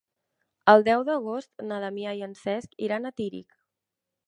El deu d'agost na Damià i en Cesc iran a Tírig.